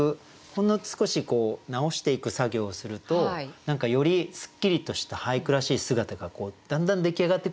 ほんの少し直していく作業をするとよりすっきりとした俳句らしい姿がだんだん出来上がってくるの分かりませんか？